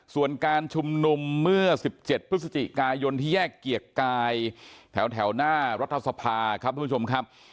ส่วนการชุมนุมเมื่อ๑๗พฤศจิกายนที่แยกเกียรติกายแถวหน้ารัฐสภาครับทุกผู้ชมครับ